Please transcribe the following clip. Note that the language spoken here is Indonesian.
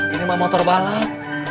ini mah motor balap